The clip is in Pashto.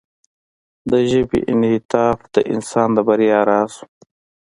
د ژبې انعطاف د انسان د بریا راز و.